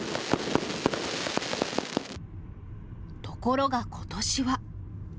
ところがことしは。